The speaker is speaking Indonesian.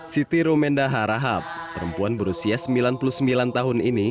siti romenda harahap perempuan berusia sembilan puluh sembilan tahun ini